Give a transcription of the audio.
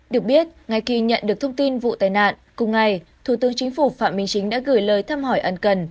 được biết ngay khi nhận được thông tin vụ tai nạn cùng ngày thủ tướng chính phủ phạm minh chính đã gửi lời thăm hỏi ân cần